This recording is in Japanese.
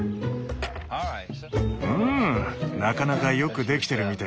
うんなかなかよくできてるみたいだ。